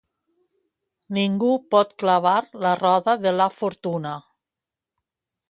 Ningú pot clavar la roda de la fortuna.